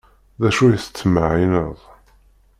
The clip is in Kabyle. D acu i d-tettmeεεineḍ?